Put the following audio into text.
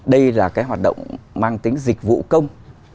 đây là cái hoạt động mang tính dịch vụ công